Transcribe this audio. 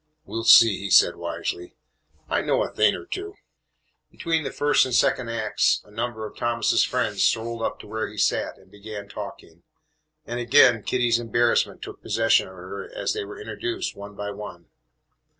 "We 'll see," he said wisely; "I know a thing or two." Between the first and second acts a number of Thomas's friends strolled up to where he sat and began talking, and again Kitty's embarrassment took possession of her as they were introduced one by one.